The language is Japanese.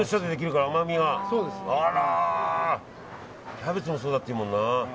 キャベツもそうだっていうもんな。